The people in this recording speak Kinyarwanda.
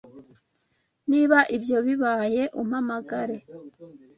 Niba ibyo bibaye, umpamagare.